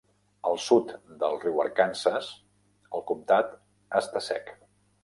Al sud del riu Arkansas, el comtat està sec.